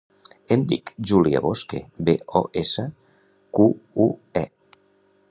Em dic Júlia Bosque: be, o, essa, cu, u, e.